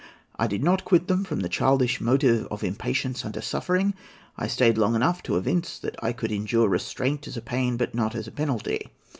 I did not quit them from the childish motive of impatience under suffering. I stayed long enough to evince that I could endure restraint as a pain, but not as a penalty.